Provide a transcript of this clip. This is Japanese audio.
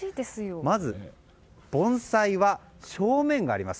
まず、盆栽は正面があります。